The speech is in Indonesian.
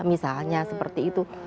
misalnya seperti itu